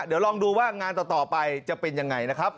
เดี๋ยวลองดูว่างานต่อไปจะเป็นยังไงนะครับ